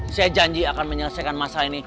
saya janji akan menyelesaikan masalah ini